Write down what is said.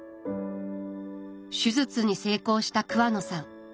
手術に成功した桑野さん。